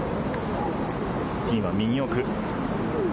ピンは右奥。